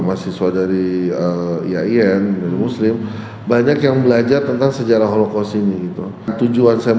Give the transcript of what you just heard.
mahasiswa dari iaien muslim banyak yang belajar tentang sejarah holocaust ini itu tujuan saya